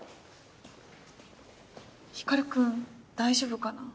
光君大丈夫かな？